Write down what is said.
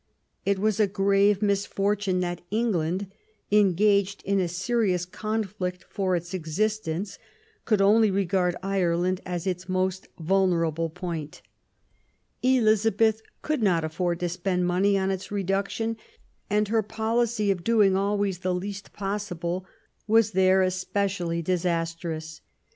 It was a grave misfortune that England, engaged in a serious con flict for its existence, could only regard Ireland as its most vulnerable point. Elizabeth could not afford to spend money on its reduction, and her policy of doing always the least possible was there especially disastrous.